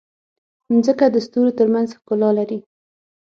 مځکه د ستورو ترمنځ ښکلا لري.